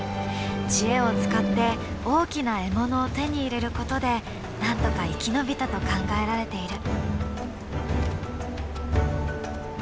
知恵を使って大きな獲物を手に入れることでなんとか生き延びたと考えられている。